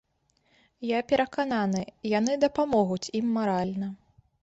Я перакананы, яны дапамогуць ім маральна.